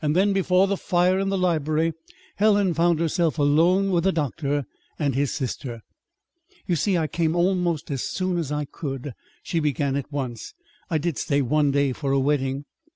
Then, before the fire in the library, Helen found herself alone with the doctor and his sister. "You see, I came almost as soon as I could," she began at once. "I did stay one day for a wedding."